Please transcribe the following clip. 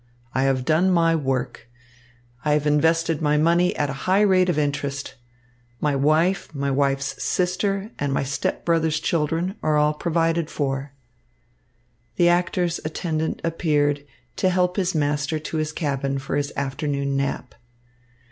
I have done my work. I have invested my money at a high rate of interest. My wife, my wife's sister, and my step brother's children are all provided for." The actor's attendant appeared, to help his master to his cabin for his afternoon nap.